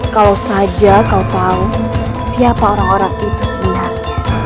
kalau saja kau tahu siapa orang orang itu sebenarnya